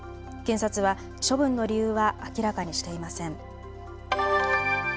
検察は処分の理由は明らかにしていません。